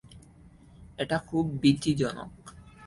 এটা খুব ভীতিজনক।